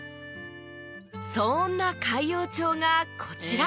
そんな海陽町がこちら。